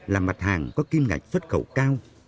là mặt hàng có kim ngạch xuất khẩu cao